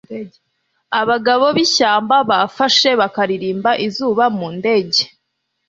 Abagabo bishyamba bafashe bakaririmba izuba mu ndege